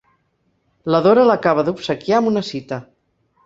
La Dora l'acaba d'obsequiar amb una cita.